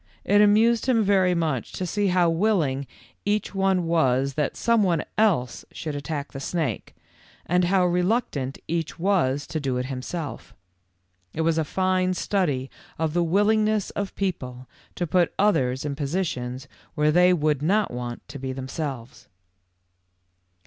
It amused him very much to see how willing each one was that some one else should attack the snake, and how reluctant each was to do it himself. It was a fine study of the willingness of people to put others in positions where they would not want to be themselves.